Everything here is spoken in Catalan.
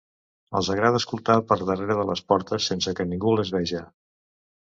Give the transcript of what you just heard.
Els agrada escoltar per darrere de les portes, sense que ningú les veja...